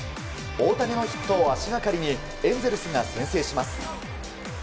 大谷のヒットを足掛かりにエンゼルスが先制します。